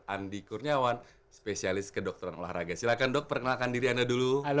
andi kurniawan spesialis kedokteran olahraga silahkan dok perkenalkan diri anda dulu